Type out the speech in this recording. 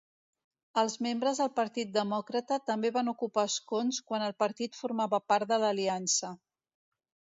Els membres del Partit Demòcrata també van ocupar escons quan el partit formava part de l'Aliança.